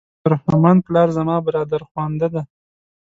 فرهمند پلار زما برادرخوانده دی.